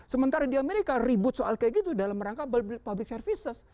sementara di amerika ribut soal kayak gitu dalam rangka public services